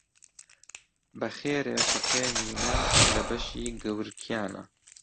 بە خێرێ فەقێ مینە لە بەشی گەورکیانە